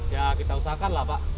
ya kita usahakan lah pak